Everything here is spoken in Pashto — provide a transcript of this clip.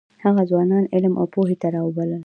هغه ځوانان علم او پوهې ته راوبلل.